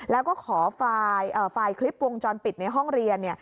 แล้วก็ขอไฟล์คลิปวงจรปิดในห้องเรียน